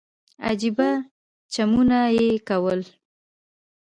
عجيبه چمونه يې کول.